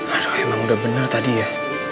aduh emang udah benar tadi ya